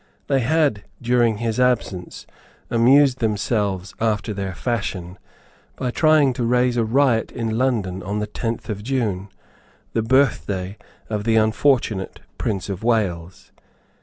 They had during his absence amused themselves, after their fashion, by trying to raise a riot in London on the tenth of June, the birthday of the unfortunate Prince of Wales.